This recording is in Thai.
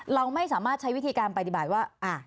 เราไม่สามารถใช้วิธีการปฏิบัติว่า